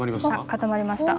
固まりました。